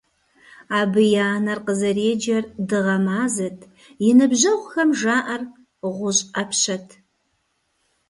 Абы и анэр къызэреджэр Дыгъэ-Мазэт, и ныбжьэгъухэм жаӀэр ГъущӀ Ӏэпщэт!